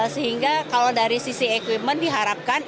sehingga kalau dari sisi equipment diharapkan